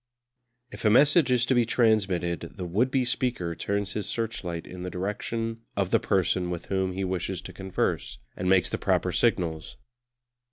If a message is to be transmitted the would be speaker turns his searchlight in the direction of the person with whom he wishes to converse, and makes the proper signals.